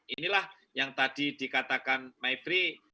inilah yang tadi dikatakan maifri